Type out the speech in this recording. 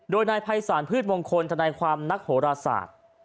โดยนายภัยศาลพืชมงคลธนายความนักโหราศาสตร์